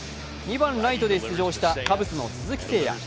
２番・ライトで出場したカブスの鈴木誠也。